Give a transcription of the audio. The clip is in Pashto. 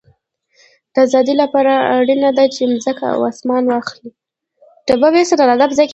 د آزادۍ له پاره اړینه ده، چي مځکه او اسمان واخلې.